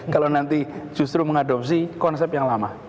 kalau nanti justru mengadopsi konsep yang lama